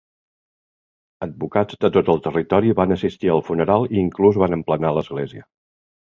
Advocats de tot el territori van assistir al funeral i inclús van emplenar l'església.